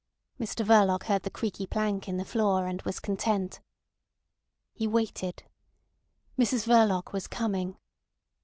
Mr Verloc heard the creaky plank in the floor, and was content. He waited. Mrs Verloc was coming.